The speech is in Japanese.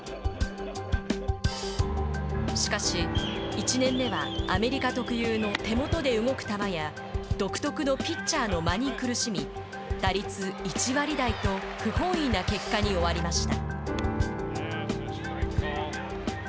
しかし、１年目はアメリカ特有の手元で動く球や独特のピッチャーの間に苦しみ打率１割台と不本意な結果に終わりました。